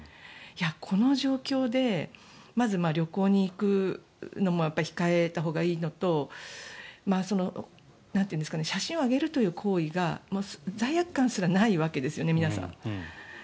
この状況で、まず旅行に行くのも控えたほうがいいのと写真を上げるという行為が皆さん罪悪感すらないわけですよね。